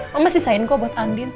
masih disesain kok buat andin